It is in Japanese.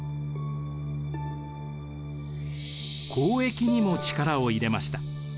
交易にも力を入れました。